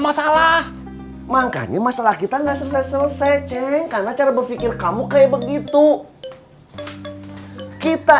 masalah makanya masalah kita enggak selesai selesai ceng karena cara berpikir kamu kayak begitu kita